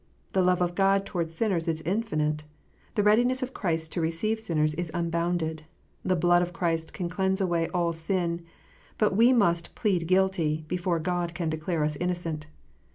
The love of God towards sinners is infinite. The readiness of Christ to receive sinners is unbounded. The blood of Christ can cleanse away all sin. But we must " plead guilty," before God can declare us innocent.